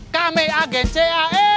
kami agen cae